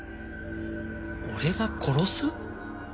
俺が殺す？